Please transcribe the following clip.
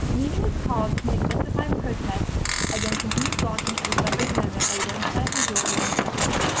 "The meeting was called to make a justified protest against continued blocking of the suffrage amendment by the Democratic majority in the Senate.